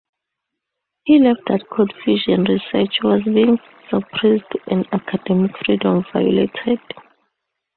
He felt that cold fusion research was being suppressed and academic freedom violated.